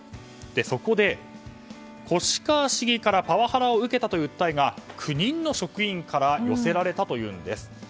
そこで、越川市議からパワハラを受けたという訴えが９人の職員から寄せられたというんです。